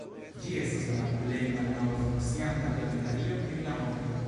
Ĝi estas la plej malnova funkcianta planetario en la mondo.